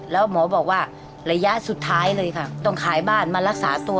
แล้วหมอบอกว่าระยะสุดท้ายเลยค่ะต้องขายบ้านมารักษาตัว